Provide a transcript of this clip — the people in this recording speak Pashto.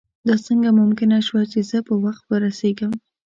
دا څنګه ممکنه شوه چې زه په وخت ورسېږم.